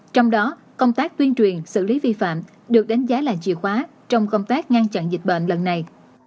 trong đó công tác tuyên truyền xử lý vi phạm được đánh giá là chìa khóa trong công tác ngăn chặn dịch bệnh lần này